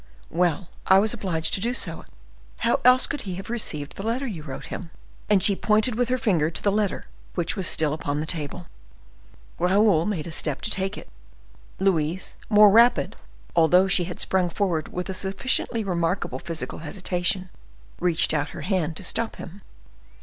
"Well, I was obliged to do so—how else could he have received the letter you wrote him?" And she pointed with her finger to the letter which was still upon the table. Raoul made a step to take it; Louise, more rapid, although she had sprung forward with a sufficiently remarkable physical hesitation, reached out her hand to stop him.